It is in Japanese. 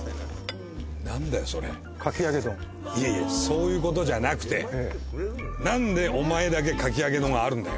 いやいやそう言うことじゃなくてなんでお前だけかき揚げ丼があるんだよ。